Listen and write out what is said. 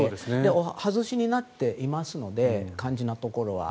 お外しになっていますので肝心なところは。